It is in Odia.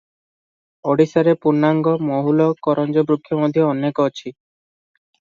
ଓଡ଼ିଶାରେ ପୁନାଙ୍ଗ, ମହୁଲ, କରଞ୍ଜବୃକ୍ଷ ମଧ୍ୟ ଅନେକ ଅଛି ।